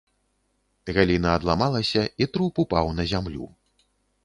Галіна адламалася, і труп упаў на зямлю.